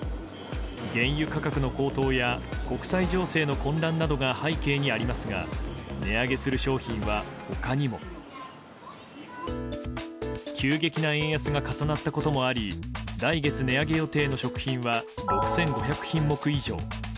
原油価格の高騰や国際情勢の混乱などが背景にありますが値上げする商品は他にも。急激な円安が重なったこともあり来月値上げ予定の食品は６５００品目以上。